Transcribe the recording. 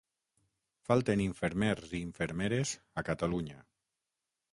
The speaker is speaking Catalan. Falten infermers i infermeres a Catalunya.